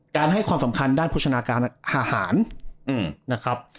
ให้ความสำคัญด้านโภชนาการอาหารนะครับ